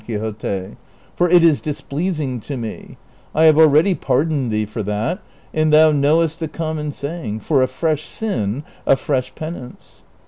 255 Quixote, " for it is displeasing to me ; I have already pardoned thee for that, and thou knowest the common saying, ' For a fresh sin a fresh penance.'